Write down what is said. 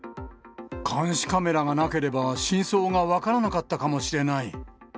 監視カメラがなければ真相が分からなかったかもしれない。